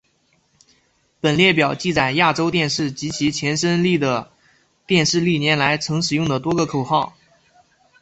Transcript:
本列表记载亚洲电视及其前身丽的电视历年来曾使用的多个口号。